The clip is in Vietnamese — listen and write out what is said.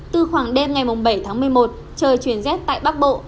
từ khoảng đêm ngày bảy tháng một mươi một trời chuyển rét tại bắc bộ